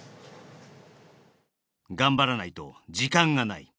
「がんばらないと時間がない」